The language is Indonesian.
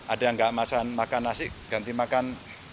ada yang nggak makan nasi ganti makan